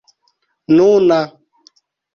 nuna